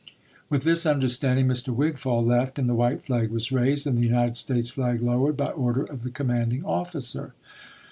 With this understanding Mr. Wigfall left, 13, 1861. and the white flag was raised and the United States flag AV li Vol I., p. 23. ' lowered by order of the commanding officer.